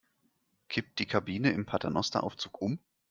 Kippt die Kabine im Paternosteraufzug um?